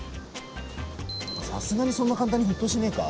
さすがにそんな簡単に沸騰しねえか？